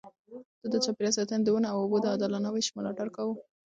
ده د چاپېريال ساتنې، ونو او اوبو د عادلانه وېش ملاتړ کاوه.